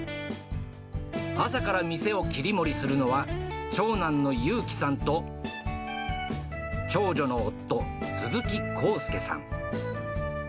朝から店を切り盛りするのは、長男の優貴さんと、長女の夫、鈴木幸介さん。